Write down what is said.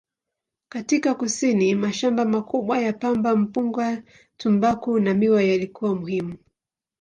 Katika kusini, mashamba makubwa ya pamba, mpunga, tumbaku na miwa yalikuwa muhimu.